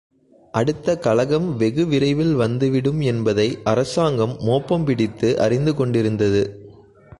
அடுத்த கலகம் வெகுவிரைவில் வந்துவிடும் என்பதை அரசாங்கம் மோப்பம்பிடித்து அறிந்து கொண்டிருந்தது.